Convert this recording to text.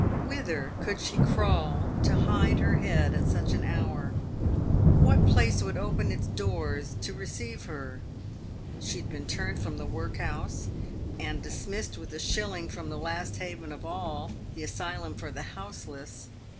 "Whither could she crawl to hide her head at such an hour ? What place would open its doors to receive her ? She had been turned from the workhouse, and dismissed with a shilling from the last haven of all — the asylum for the houseless.